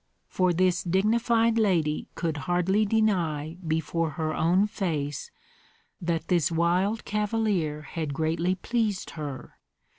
For this dignified lady could hardly deny before her own face that this wild cavalier had greatly pleased her.